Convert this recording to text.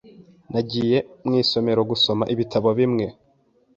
Nagiye mu isomero gusoma ibitabo bimwe.